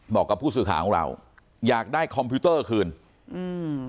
บอกกับผู้สื่อข่าวของเราอยากได้คอมพิวเตอร์คืนอืม